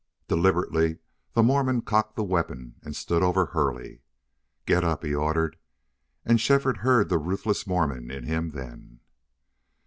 Deliberately the Mormon cocked the weapon and stood over Hurley. "Get up!" he ordered, and Shefford heard the ruthless Mormon in him then.